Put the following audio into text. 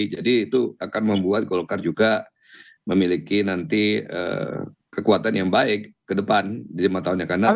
itu akan membuat golkar juga memiliki nanti kekuatan yang baik ke depan di lima tahun yang akan datang